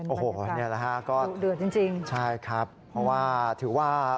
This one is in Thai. โอ้โหเนี่ยแล้วฮะก็ดื่มจริงใช่ครับเพราะว่าถือว่า